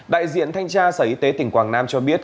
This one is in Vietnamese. đại diện thanh tra sở y tế tỉnh quảng nam cho biết